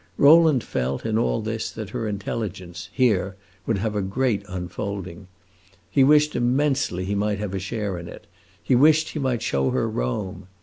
Rowland felt, in all this, that her intelligence, here, would have a great unfolding. He wished immensely he might have a share in it; he wished he might show her Rome.